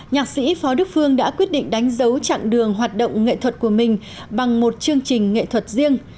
nhạc sĩ phó đức phương đã quyết định đánh dấu chặng đường hoạt động nghệ thuật của mình bằng một chương trình nghệ thuật riêng